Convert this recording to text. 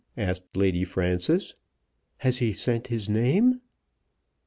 asked Lady Frances. "Has he sent his name?"